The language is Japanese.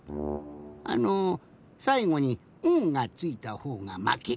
あのさいごに「ん」がついたほうがまけってやつ。